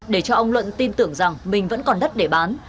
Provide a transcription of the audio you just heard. để cho ông luận tin tưởng rằng mình vẫn còn đất để bán